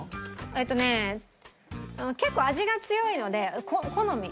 えっとね結構味が強いので好み。